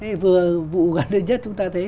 thế vừa vụ gần đây nhất chúng ta thấy